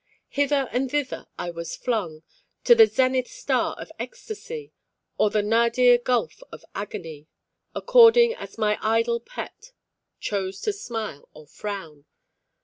Hither and thither I was flung, to the zenith star of ecstasy or the nadir gulf of agony, according as my idol pet chose to smile or frown.